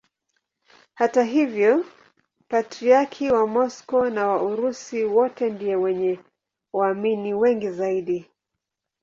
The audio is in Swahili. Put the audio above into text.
Hata hivyo Patriarki wa Moscow na wa Urusi wote ndiye mwenye waamini wengi zaidi.